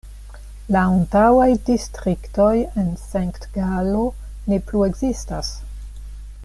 La antaŭaj distriktoj en Sankt-Galo ne plu ekzistas.